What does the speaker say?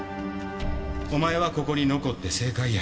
お前はここに残って正解や。